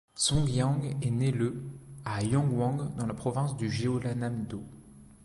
Song Yeong est né le à Yeonggwang dans la province du Jeollanam-do.